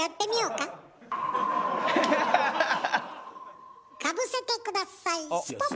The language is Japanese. かぶせてくださいスポッ！